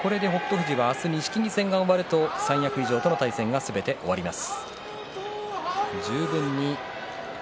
富士はあしたに錦木戦が終わると三役以上との対戦がすべて終わります。